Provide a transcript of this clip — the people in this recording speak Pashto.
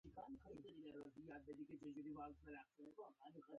پښتو ژبه د نړۍ د ژبو سره سیالۍ ته اړتیا لري.